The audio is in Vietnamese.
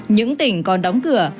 những tỉnh còn đóng cửa